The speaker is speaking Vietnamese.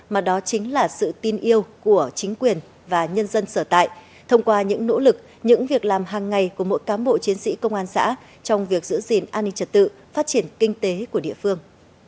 mà đó chính là sự tin yêu của chính quyền và nhân dân sở tại thông qua những nỗ lực những việc làm hàng ngày của mỗi cám bộ chiến sĩ công an xã trong việc giữ gìn an ninh trật tự phát triển kinh tế của địa phương